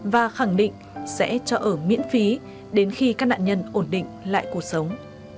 và khẳng định sẽ cho ở miễn phí đến khi các nạn nhân ổn định lại cuộc sống